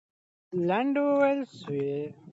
لنډۍ وویل سوې.